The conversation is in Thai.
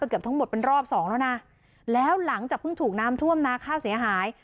เกือบทั้งหมดเป็นรอบสองแล้วนะแล้วหลังจากเพิ่งถูกน้ำท่วมนาข้าวเสียหาย